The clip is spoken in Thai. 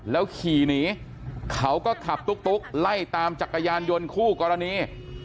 แล้วขี่หนีเขาก็ขับตุ๊กไล่ตามจักรยานยนต์คู่กรณี